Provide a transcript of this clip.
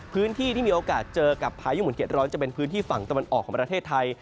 พื้นที่ที่มีโอกาสเจอกับพายุหมุนเด็ดร้อนจะเป็นพื้นที่ฝั่งตะวันออกของประเทศไทย